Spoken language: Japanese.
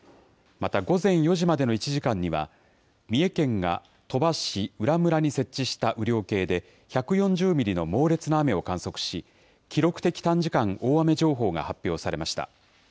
また午前４時までの１時間には、三重県が鳥羽市浦村に設置した雨量計で、１４０ミリの猛烈な雨を観測し、記録的短時間大雨情報が発表されました。